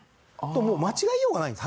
もう間違えようがないんです。